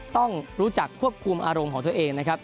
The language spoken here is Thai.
ต้องรู้จักควบคุมอารมณ์ของตัวเองนะครับ